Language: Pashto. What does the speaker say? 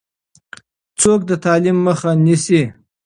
څوک د تعلیم مخه نیسي؟